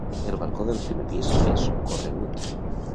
El balcó del primer pis és corregut.